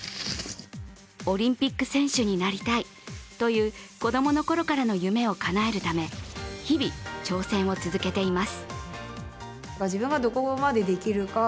オリンピック選手になりたいという子供のころからの夢をかなるため、日々、挑戦を続けています。